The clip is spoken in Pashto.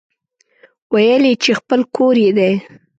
ويل يې چې خپل کور يې دی.